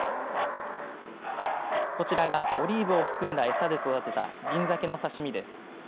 こちらがオリーブを含んだ餌で育てた銀ざけの刺し身です。